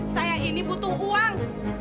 saya ini butuh uang